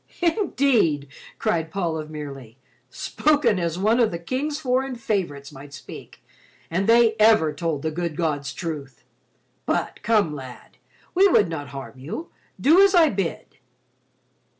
"Indeed," cried Paul of Merely, "spoken as one of the King's foreign favorites might speak, and they ever told the good God's truth. But come lad, we would not harm you—do as I bid."